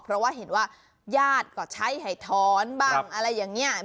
เพราะว่าเห็นว่าญาติก็ใช้ให้ถอนบ้างอะไรอย่างนี้